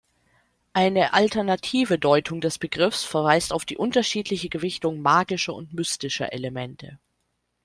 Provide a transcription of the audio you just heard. Eine alternative Deutung des Begriffs verweist auf die unterschiedliche Gewichtung magischer und mystischer Elemente.